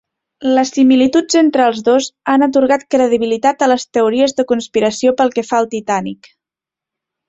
Les similituds entre els dos han atorgat credibilitat a les teories de conspiració pel que fa al Titanic.